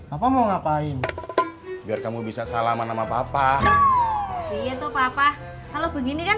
apa mau ngapain biar kamu bisa salaman sama papa gitu papa kalau begini kan